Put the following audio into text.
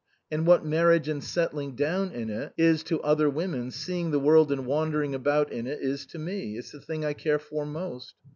And what marriage and settling down in it is to other women, seeing the world and wandering about in it is to me it's the thing I care for most.